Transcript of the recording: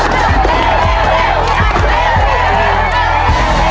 สิบแปดแล้วพ่อ